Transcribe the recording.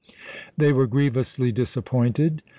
They were grievously disappointed.